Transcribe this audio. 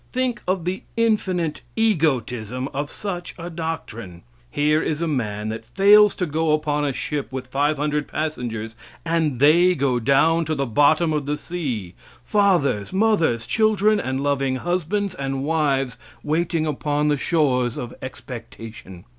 Think of the infinite egotism of such a doctrine. Here is a man that fails to go upon a ship with 500 passengers, and they go down to the bottom of the sea fathers, mothers, children, and loving husbands, and wives waiting upon the shores of expectation.